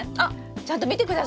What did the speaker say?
ちゃんと見てください！